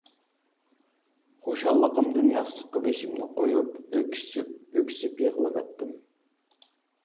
خۇشاللىقىمدىن ياستۇققا بېشىمنى قويۇپ ئۆكسۈپ-ئۆكسۈپ يىغلىۋەتتىم.